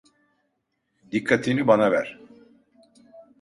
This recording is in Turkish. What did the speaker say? Dikkatini bana ver.